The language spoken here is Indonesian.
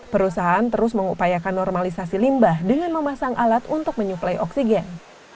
perusahaan terus mengupayakan normalisasi limbah dengan memasang alat untuk menyuplai oksigen